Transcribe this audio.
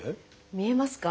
見えますか？